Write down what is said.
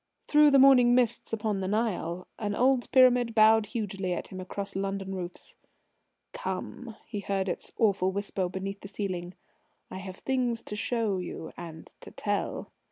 Through the morning mists upon the Nile an old pyramid bowed hugely at him across London roofs: "Come," he heard its awful whisper beneath the ceiling, "I have things to show you, and to tell."